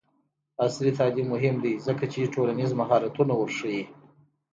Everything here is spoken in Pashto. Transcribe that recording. عصري تعلیم مهم دی ځکه چې ټولنیز مهارتونه ورښيي.